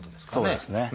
そうですね。